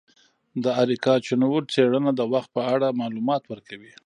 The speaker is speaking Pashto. د اریکا چنووت څیړنه د وخت په اړه معلومات ورکوي.